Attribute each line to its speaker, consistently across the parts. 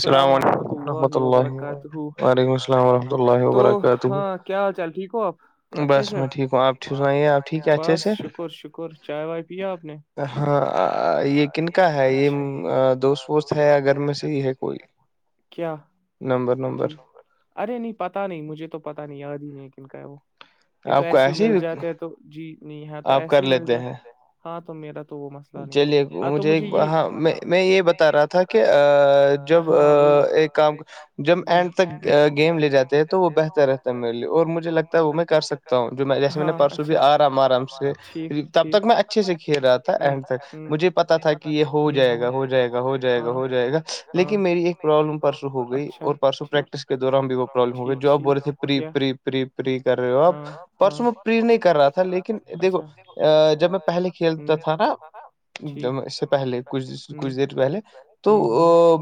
Speaker 1: اسلام علیکم وورحمۃ اللہ وعلیکم السلام وورحمۃ اللہ وبرکاتہو بس میں ٹھیک ہوں آپ چ سنائی آپ ٹھیک ہے اچھے سے ہاں یہ کن کا ہے یہ دوست ووست ہے یا گھر میں سے ہی ہے کوئی نمبر نمبر
Speaker 2: ارے نہیں پتا نہیں مجھے تو پتہ نہیں یاد ہی نہیں ہے کن کا ہے وہ یہ تو ایسے ہی مل جاتے ہیں تو جی نہیں ہےتو ایسے ہی مل جات ہاں تو میرا
Speaker 1: چلیے مجھے ایک ہاں میں میں یہ بتا رہا تھا کہ اا جب ایک کام جب اینڈ تک گیم لے جاتے ہیں تو وہ بہتر رہ تے میرے لیے اور مجھے لگتا ہے وہ میں کر سکتا ہوں جو میں جیسے میں نے پرسوں بھی ارام آرام سے تب تک میں اچھے سے کھیل رہا تھا اینڈ تک مجھے پتا تھا کہ یہ ہو جائے گا ہو جائے گا ہو جائے گا ہو جائے گا لیکن میری ایک پرابلم پرسوں ہو گئی اور پرسوں پریکٹس کے دوران بھی وہ پرابلم ہو گئی جو آپ بول رہے تھے پری پری پری پری کر رہے ہو اپ پرسوں وہ پرری نہیں کر رہا تھا لیکن دیکھو جب میں پہلے کھیل تتھا نا جب میں اس سے پہلے کچھ کچھ دیر پہلے تو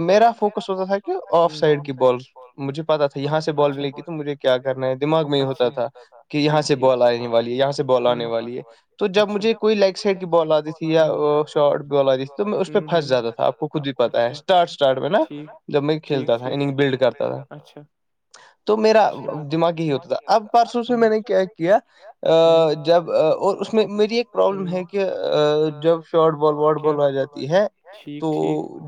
Speaker 1: میرا فوکس ہوتا تھا کہ آف سائڈ کی بالز مجھے پتا تھا یہاں سے بال ملے گی تو مجھے کیا کرنا ہے دماغ میں یہ ہوتا تھا کہ یہاں سے بال آنے والی ہے یہاں سے بال آنے والی ہے تو جب مجھے کوئی لائک سائڈ بال آتی تھی یا شارٹ بال آتی تھی تو میں اس پہ پھنس جاتا تھا آپ کو خود بی پتاہ ہے اسٹارٹس سٹارٹ میں نا جب میں کھیلتا تھا اننگ بلڈ کرتا تھا تو میرا دماغ یہی ہوتا تھا اب پرسوں سے میں نے کیا کیا اا جب اور اس میں میری ایک پرابلم ہے کہ کہ جب شارٹ بال وٹ بال آ جاتی ہے تو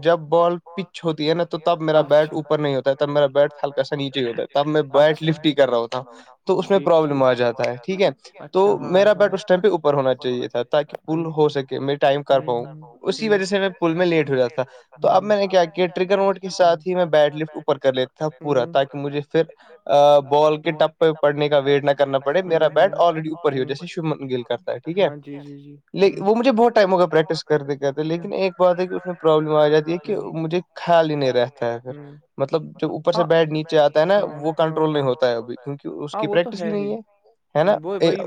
Speaker 1: جب بال پچ ہوتی ہے نا تو تب میرا بیٹ اوپر نہیں ہوتا ہے تب میرا بیٹ ہلکا نیچے ہوتا ہےب میں بیٹ لفٹ ہی کر رہا ہوتا اں تو اس میں پرابلم آ جاتا ہے ٹھیک ہے تو میرا بیٹ اس ٹائم پہ اوپر ہونا چاہیے تھا تاکہ پل ہو سکے میں ٹائم کر پاؤں اسی وجہ سے میں پل میں لیٹ ہو جاتا تھا تو اب میں نے کیا کہ ٹرگر ووٹ کے ساتھ ہی میں بیٹ لفٹ اوپر کر لیتا تھا پورا تاکہ مجھے پھر بال کے ٹپ کوئی پڑنے کا ویٹ نہ کرنا پڑے میرا بیٹ آلریڈی اوپر ہی ہو جیسے شمن گل کرتا ہے ٹھیک ہے
Speaker 2: جی جی جی
Speaker 1: لے وہ مجھے بہت ٹائم ہوگا پریکٹس کرتے کرتے لیکن ایک بات ہے کہ اس میں پرابلم آ جاتی ہے کہ خیال ہی نہیں رہتا ہے پھر مطلب جب اوپر سے بیٹ نیچے آتا ہے نا وہ کنٹرول نہیں ہوتا ہے ابھی کیونکہ اس کی پریکٹس ہی نہیں ہے ہے نا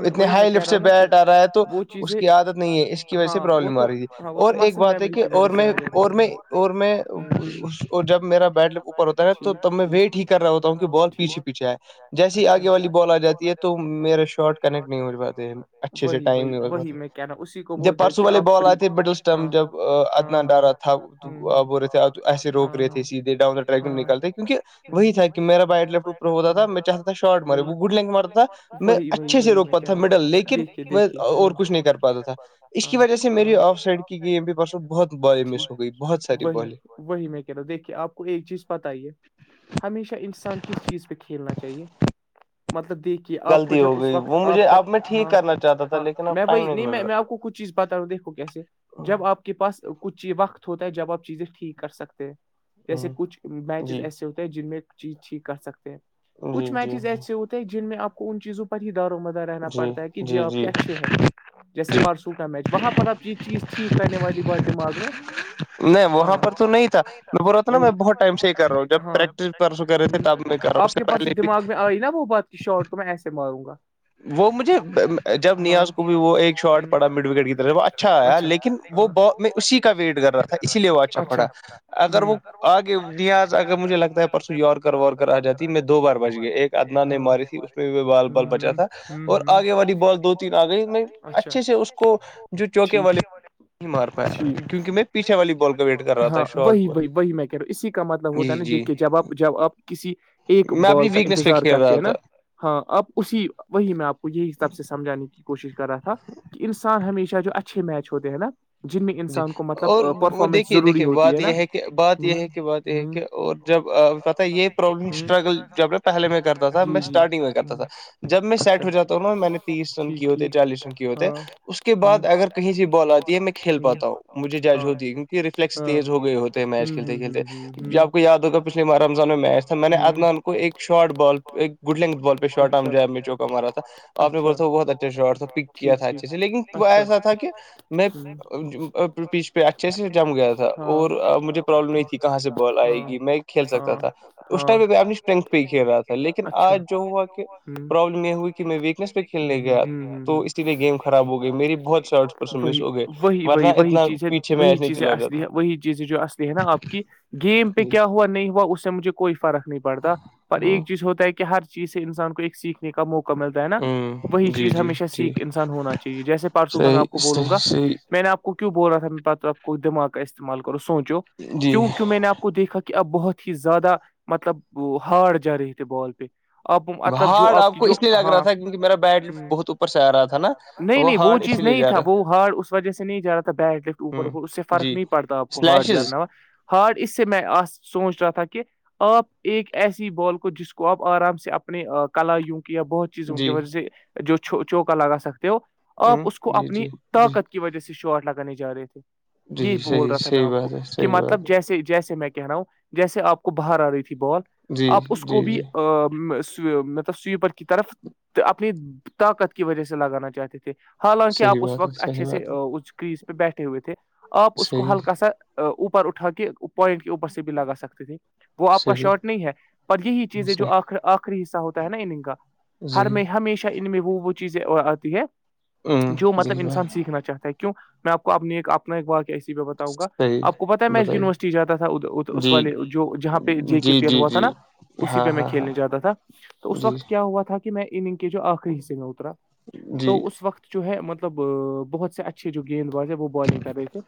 Speaker 1: اتنے ہائی لیفٹ سے بیٹ آ رہا ہے تو اس کی عادت نہیں ہے اس کی وجہ سے پرابلم آ رہی ہے اور ایک بات ہے کہ اور میں اور میں اور میں اور جب میرا بیٹ اوپر ہوتا ہے تو تب میں ویٹ ہی کر رہا ہوتا ہوں کہ بال پیچھے پیچھے آئے جیسی ہی آگے والی بال آ جاتی ہے تو میرا شاٹ کنیکٹ نہیں ہو پاتے اچھ اچھے سے ٹائم نہیں ہوپاتا جب پرسو والے بال آئے تھے بٹل اسٹیم جب ادنا ڈرا تھا بول رہے تھے اب ایسے روکے دہے تھے سیدھے ڈاؤنا ٹر [unintelligible] نکلتے کیونکہ وہی تھا کہ میرابئٹ لیفٹو ہوتا تھا میں چاہتا تھا شارٹ مارے وہ گڈ لینک مارتا تھا میں اچھے سے روکا تھا مڈل لیکن میں اور کچھ نہیں کر پا پاتا تھا اس کی وجہ سے میری آف سائڈ کی گیم بھی پرسوں بہت بالیں مس ہو گئی بہت ساری بالیں
Speaker 2: وہی میں کہہ رہا ہوں دیکھیے آپ کو ایک چیز پتا ہی ہے ہمیشہ انسان کس چیز پہ کھیلنا چاہیے مطلب دیکھ کہ آپ کو جب اس وقت آپ کا ہاں ہاں میں وہی نہیں میں میں آپ کو کچھ چیز بتا رہاوں دیکھوں کیسے جب آپ کے پاس کچھ یہ وقت ہوتا ہے جب آپ چیزیں ٹھیک کر سکتے ہیں جیسے کچھ میچز ایسے ہوتے جن میں چیز ٹھیک کر سکتے ہیں کچھ میچز ایسے ہوتے ہیں جن میں آپ کو ان چیزوں پر ہی دار و مد رہنا پڑتا ہے کہ جی آپ کیا اچھے ہیں جیسے پارسو کا میچ وہاں پر آپ یہ چیز ٹھیک کرنے والی بات دماغ میں
Speaker 1: نہیں وہاں پر تو نہیں تھا میں بول رہا تھا نا میں بہت ٹائم سے کر رہا ہوں جب پریکٹس پرسوں کررہے تھے تب میں کر رہا ہوں اس سے پہلے بھی
Speaker 2: نہ وہ بت شارٹ کو میں ایسے ماروں گا
Speaker 1: وہ مجھے جب نیاز کو بھی وہ ایک شارٹ پڑا مڈ وکٹ کی طرف اچھا آیا لیکن وہ با میں اسی کا ویٹ کر رہا تھا اسی لیہ کہ وہ اچھا پڑا اگر وہ اگے نیاز اگر مجھے لگتا ہے پرسوں یورک وور کر آ جاتی میں دو بار بچ گیا ایک ادنا نے ماری تھی اس میں بی میں بال بال بچا تھا اور آگے والی بال دو تین آ گئی میں اچھے سے اس کو جو چوکے والی نہیں مار پا کیونکہ
Speaker 2: ہاں وہی وہی وہی میں کہہ رہا ہوں اسی کا مطلب ہوتا نا دیکھیے جب آپ جب آپ کسی ایک بال کا انتظار کرتے ہیں نا ہاں اب اسی وہی میں آپ کو یہی حساب سے سمجھانے کی کوشش کر رہا تھا کہ انسان ہمیشہ جو اچھے میچ ہوتے ہیں نا جن میں انسان کو مطلب پرفک
Speaker 1: وہ دیکے دیکھیے بات یہ ہے کہ بات یہ ہے کہ بات یہ ہے کہ اور جب پتا یہ پربلم سٹرگل جب پہلے میں کرتا تھا میں سٹارٹنگ میں کرتا تھا جب میں سیٹ ہو جا ہوں نا میں نے تیس رن کی ہوتی ہے چالیس رن کی ہوتے ہے اس کے بعد اگر کہیں سے بال آتی ہے میں کھیل پاتا ہو تاومجھے جج ہوتی کیوں ریفلیکس تیز ہو گئے ہوتے ہیں میچ کھیلتے کھیلتے جب کویی یاد ہوگا پچھلے ماہ رمضان میں می تھا میں نے ادنان کو ایک شارٹ بال ایک گڈ لینگتھ بال پہ شارٹ آم چوکا مارا تھا آپ نے بولا تھا وہ بہت اچھا شارٹ تھا پک کیا تھا اچھے سے لیکن ایسا تھا کہ میں پیچ پے اچھے سے جم گیا تھا اور مجھے پرابلم نہیں تھی کہاں سے بال آئے گی میں کھیل سکتا تھا اس ٹائم پہ میں آ اپنی اسٹرینگھ پہ ہی کھیل رہا تھا لیکن آج جو ہوا کہ پرابلم یہ ہوئی کہ میں ویکنیس پے کھیلنے گیا تو اسی لیے گیم خراب ہو گئی میری بہت شارٹس پرس مس ہو گئے ورنہ اتنا پیچے میںچ
Speaker 2: سے اصلی ہے وہی چیزیں جو اصلی ہے نا آپ کی گیم پہ کیا ہوا نہیں ہوا اس سے مجھے کوئی فرق نہیں پڑتا پر ایک چیز ہوتا ہے کہ ہر چیز سے انسان کو ایک سیکھنے کا موقع ملتا ہے نا وہی چیز ہمیشہ سیکھ انسان ہونا چاہیے جیسے پارسو کا میں آپ کو بولوں گا میں نے آپ کو کیوں بول رہا تھا آپ کو دماغ کا استعمال کرو سوچوں کیوں کیوں میں نے آپ کو دیکھا کہ اب بہت ہی زیادہ مطلب ہارڈ جا رہی تھی بال
Speaker 1: وہارڈ آپ کو اس لیے لگ رہا تھا کیونکہ میرا بیٹری بہت اوپر سے آ رہا تھا نا
Speaker 2: نہیں نہیں وہ چیز نہیں تھا وہ ہارڈ اس وجہ سے نہیں جا رہا تھا بیٹ لفٹ اوپر وہ فرق نہیں پڑتا آپ کو ہارڈ جاننوا ہارڈ اس سے میں آس سوچ رہا تھا کہ آپ ایک ایسی بال کو جس کو آپ آرام سے اپنے کلا وں کی یا بہت چیزوں کی وجہ سے جو چھو چوکا لگا سکتے ہو آپ اس کو اپنی طاقت کی وجہ سے شارٹ لگانے جا رہے تھے یہی بول رہا تھا میں آپ کو کہ مطلب جیسے جیسے میں کہہ رہا ہوں جیسے آپ کو باہر آ رہی تھی بال آپ اس کو بھی [unintelligible] سوئی پر کی طرف اپنی طاقت کی وجہ سے لگانا چاہتے تھے حالانکہ آپ اس وقت اچھے سے اس کریز پہ بیٹھے ہوئے تھے آپ اس کو ہلکا سا اوپر اٹھا کے پوائنٹ کے اوپر سے بھی لگا سکتے تھے وہ آپ کا شارٹ نہیں ہے پر یہی چیز ہے جو آخر آ کری ساہوتا ہے نا اننگ کا ہر میں ہمیشہ ان میں وہ وہ چیزیں آتی ہے جو مطلب انسان سیکھنا چاہتا ہے کیوں میں آپ کو اپنی ایک اپنا ایک باقع اسی پے بتا توکا آپ کو پتا ہے میں یونیورسٹی جاتا تھا اس والے جو جہاں پہ جے کے پی ایل ہوا تھا نا اسی پہ میں کھیلنے جاتا تھا تو اس وقت کیا ہوا تھا کہ میں اننگ کے جو آخری حسے میں اترا تو اس وقت جو ہے مطلب بہت سے اچھے جو گیند باز ہے وہ بالنگ کر رہے تھے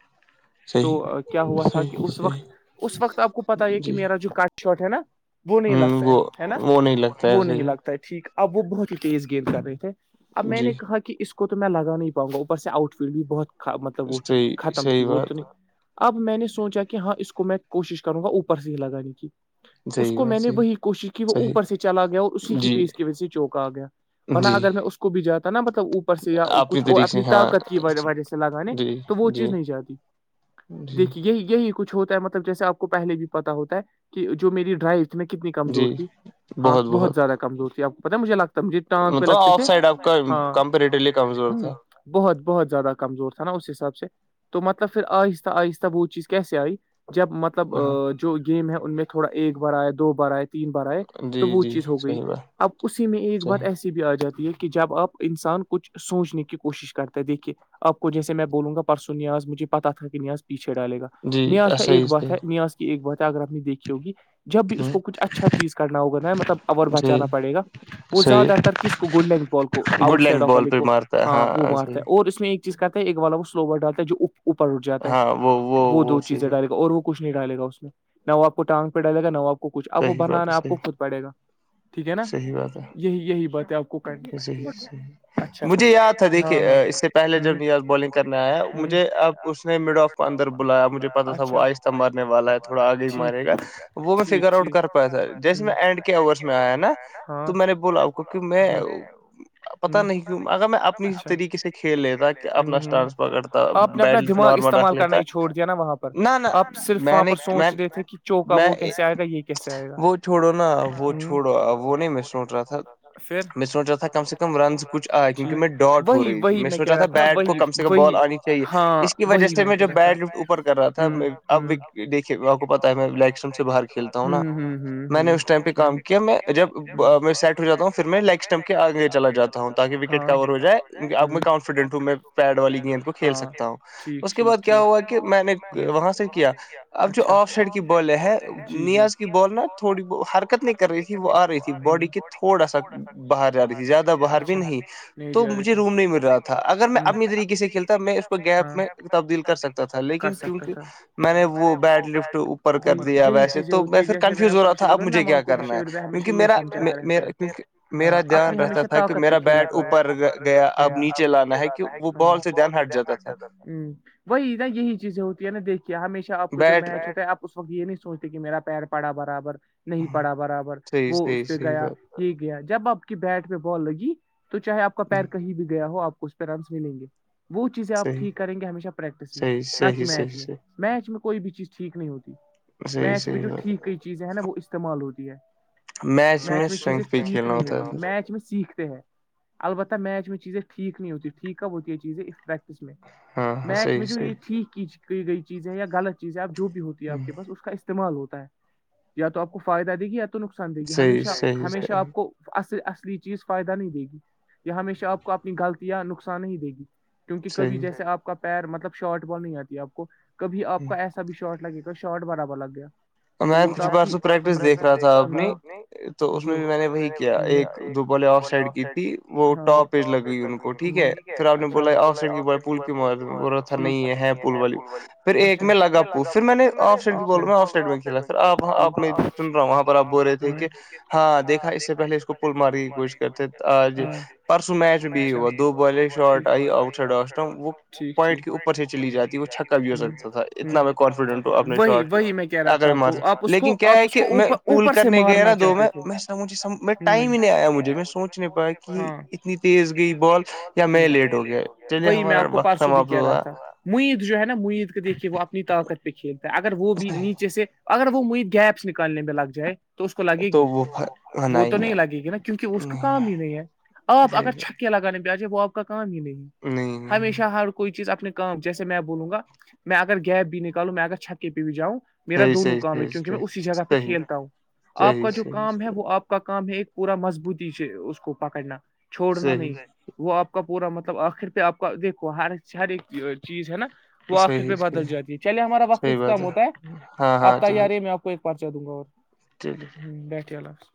Speaker 2: تو کیا ہوا تھا کہ اس وقت اس وقت آپ کو پتا ہے کہ میرا جو کاٹ شاٹ ہے نا وہ نہیں لگتا ہے نا وہ نہیں لگ ٹھیک اب وہ بہت ہی تیز گیند کر رہے تھے اب میں نے کہا کہ اس کو تو میں لگا نہیں پاؤں گا اوپر سے آؤٹ فیٹ بھی بہت مطلب وہ تھی ختم تھی وہ تو نہیں اب میں نے سوچا کہ ہاں اس کو میں کوشش کروں گا اوپر سے ہی لگانے کی اس کو میں نے وہی کوشش کی وہ اوپر سے چلا گیا اور اسی کے پیس کی وجہ سے چوکا آ گیا ورنہ اگر میں اس کو بھی جاتا نا مطلب اوپر سے یا کچھ اور اپنی طاقت کی وجہ سے لگانے تو وہ وہ چیز نہیں جاتی دیکھیے یہی کچھ ہوتا ہے مطلب جیسے آپ کو پہلے بھی پتا ہوتا ہے کہ جو میری ڈرائو میں کتنی کمزور تھی ہاں بہت زیادہ کمزور تھی آپ کو پتا مجھے لگ مجھے ٹانگ پہ لگتے تھی [unintelligible] ہاں [unintelligible] بہت بہت زیادہ کمزور تھا نا اس حساب سے تو مطلب پھر آہستہ آہستہ وہ چیز کیسے آئی جب مطلب جو گیم ہے ان میں تھوڑا ایک بار آیا دو بار آئے تین بار آئے تو وہ چیز ہو گئی اب اسی میں ایک بار ایسی بھی آ جاتی ہے کہ جب آپ انسان کچھ سوچنے کی کوشش کرتا ہے دیکھیے آپ کو جیسے میں بولوں گا پرسوں نیاز مجھے پتا تھا کہ نیاز پیھے ڈالے گا نیاز کا ایک بات ہے نیاز کی ایک بات ہے اگر آپ نے دیکھی ہوگی جب بھی اس کو کچھ اچھا چیز کرنا ہوگا نا مطلب اوور بچانا پڑے گا وہ زیادہ تر کس کو گول لینڈ بال کو آؤٹ سائڈ آف ع کو ہاں وہ مارتا ہے اور اس میں چیز کرتا ہےایک والا وہ سلو بال ڈالتا ہے جو اوپر اٹھ جاتا ہے وہ دو چیزیں ڈالے گا اور وہ کچ نہیں ڈالے گا اس میں نہ وہ آپ کو ٹانگ پہ ڈالے گا نہ وہ آپ کچھ اب وہ بنانا آپ کو خود پڑے گا ٹھیک ہے نا یہی یہی بات ہے آپ کو
Speaker 1: صحیح صحیح مجھے یاد تھا دیکھیے اس سے پہلے جب نیاز بالنگ کرنا ایا مجھے اب اس نے مڈ آف کو اندر بلایا مجھے پتا تھا وہ آہستہ مرنے والا ہے تھوڑا آگے ہی مارے گا وہ میں فگر آؤٹ کر پایا تھا جیسے میں اینڈ کے اوورس میں آیا نا تو میں نے بولا آپ کو کیوں میں پتا نہیں کیوں اگر میں اپنی طریقے سے کھیل لیتا اپنا سٹانس پکڑتا بیڈ لفٹ نارمل رکھ لیتا نہ نہ میں نے میں میں وہ چھوڑو نا وہ چھوڑو وہ نہیں میں سوچ رہا تھا میں سوچ رہا تھا کم سے کم رنزچھ آئے کیونک میں ڈاٹ ہو رہی تھی میں سوچ رہی تھی بیٹ کو کم سے کم سے کہابال آنی چاہیے اس کی وجہ سے میں جو بیٹ لفٹ اوپر کر رہا تھا اب وکٹ دیکھے آپ کو پتاہ ہے میں لگ سٹم سے باہر کھیلتا ہوں نا میں نے اس ٹائم پہ کام کیا میں جب میں سیٹ ہو جات ہوں پھر میں لیگسٹم کہ آگے چلا جاتا ہوں تاکہ وکٹ کور ہو جائے آپ میں کانفیڈنٹ ہوں میں پیڈ و والی گیند کو کھیل سکتا ہوں اس کے بعد کیا ہوا کہ میں نے وہاں سے کیا اب جو آف سائڈ کی بالیں ہے نیاز کی بال نا تھوڑی حرکت نہیں کر رہی تھی وہ آ رہی تھی باڈی کے
Speaker 2: لیکن تھوڑا سا
Speaker 1: باہر جا رہی تھی زیادہ باہر بھی نہیں تو مجھے روم نہیں مل رہا تھا اگر میں اپنی طری کسےکھیلتا میں اس کو گیپ میں تبدیل کر سکتا تھا لیکن کیونکہ میں وہ بیٹ لفٹ پرکر دیا ویسے تو میں پھر کنفیوز ہو رہا تھا اب مجھے کیا کرنا ہے کیونکہ میرا کیونکہ میرا دھیان رہتا تھا کہ میرا بیٹ اوپر گیا اب نیچے لانا ہے کہ وہ
Speaker 2: وہ بال سے دیان ہٹ جاتا تھا وہی نا یہی چیزیں ہوتی ہے نا دیکھیے ہمیشہ اچھا آپ کو جب میچ ہو تا ہے آپ اس وقت یہ نہیں سوچتے کہ میرا پیر پڑا برابر نہیں پڑا برابر وہ اس پہ گیا یہ گیا جب آپ کی بیٹ پے بال لگی تو چاہے آپ کا پیر کہیں بھی گیا ہو آپ کو اس پے رنزملیں گے وہ چیزیں آپ ٹھیک کریں گے ہمیشہ پریکٹس میں نہ کہ میچ میں میچ میں کوئی بھی چیز ٹھیک نہیں ہوتی میچ میں جو ٹھیکئی چیزیں ہیں نا وہ استعمال ہوتی ہے میچ میں چیزیں ٹھیک نہیں ہوتی میچ میں سیکھ تےہے البتہ میچ میں چیزیں ٹھیک نہیں ہوتی ٹھیک کب ہوتی یہ چیزیں افپک اس میں میچ میں جو یہ ٹھیک کی گئی چیز ہے یا غلط چیزیں اب جو بھی ہوتی آپ کے پاس اس کا استعمال ہوتا ہے یا تو آپ کو فائدہ دے گی یا تو تونقصان دے گی ہمیشہ ہمیشہ آپ کو اصل اصلی چیز فائدہ نہیں دے گی یہ ہمیشہ آپ کو اپنی غلطیاں نقصان نہیں دے گی کیونکہ کبھی جیسے آپ کا پیر مطلب شارٹ بال نہیں آتی آپ کو کبھی آپ کا ایسا سبھی شارٹ لگے گا شارٹ برابر لگ گیا
Speaker 1: میں [unintelligible] پرسو پریکٹس دیکھ رہا تھا اپنی تو اس میں بھی میں نے وہی کیا ایک دو بال آف سائڈ کی تھی وہ ٹاپ پج لگیئی ان کو ٹھیک ہے پھر آپ نے بولا آ سائڈ کی بھائی پل کیوں مار رہے ہو بول رہا تھا نہیں یہ ہے پل والی پھر ایک میں لگا پو پھر میں نے آف سائڈ بول رہا آف کھیلا سر آپ آپ نے سن رہا ہوں وہاں پر آ بول رہے تھے کہ ہاں دیکھا اس سے پہے اس کو پل مار کی گوشتہ تے تھے اج پرسوں میچ بھی ہوا دو والے شارٹ آئی آؤٹ سائڈ آٹ وہ پوائنٹ کے اوپر سے چلی جاتی ہے وہ چھکا بھی ہو سکتا تھا اتنا میں کانفیڈنٹ ہوں اپنے شوٹ پہ
Speaker 2: میں کیا
Speaker 1: آگر مارتا لیکن کیا ہے کہ میں پول کرنے گیا نا دو میں سمجھی سمجھ ٹائم ہی نہیں آیا مجھے میں سوچ نے پرا کہ اتنی تیز گئی با
Speaker 2: رہی بات جب میں لیٹ ہو گیا ہےوہی میں آپ کو پرارسو بھی کہہ رہا تھا مید جو ہے نا مید کو دیکھیے وہ اپنی طاقت پہ کھیلتا ہے اگر وہ بھی نیچے سے اگر وہ مید گیپس نکالنے پے لگ جائے تو اس کو لگے گی وہ تو نہیں لگے گی نا کیونکہ وہ اس کا کام ہی نہیں ہے اپ اگر چھکے لگانے جیسےوہ آپ کام ہی نہیں
Speaker 1: نہیں نہ
Speaker 2: ہمیشہ ہر کوئی چیز اپنے کام جیسے میں بولوں گا میں اگر گیپ بھی نکالوں میں اگر چھکے پہ بھی جاؤں میرا دونوں کام ہے کیونکہ میں اسی جگہ پہ کھیلتا ہوں آپ کا جو کام ہے وہ آپ کا کام ہے ایک پورا مضبوط سے اس کو پکڑنا چھوڑنا نہیں ہے وہ آپ کا پورا مطلب آخر پہ آپ کا دیکھو ہر ہر ایک چیز ہے نا وہ آخر پے بدل جاتی ہے چلے ہمارا وقت اس سے کم ہوتا ہے آپ تیاری میں آپ کو پرچا دوں گا اور بیٹھے اللہ حافظ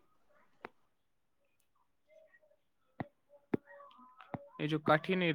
Speaker 2: یہ جو کٹھی نی